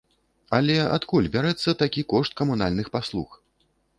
Але адкуль бярэцца такі кошт камунальных паслуг?